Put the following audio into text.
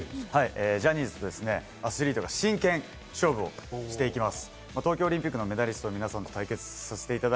ジャニーズとアスリートが真剣勝負をしていきます。